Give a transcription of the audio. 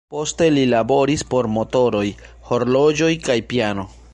Poste li laboris por motoroj, horloĝoj kaj piano.